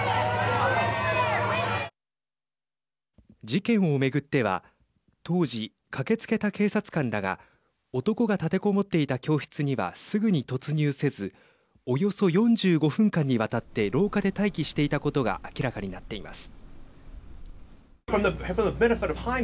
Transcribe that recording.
事件をめぐっては当時、駆けつけた警察官らが男が立てこもっていた教室にはすぐに突入せずおよそ４５分間にわたって廊下で待機していたことが明らかになっています。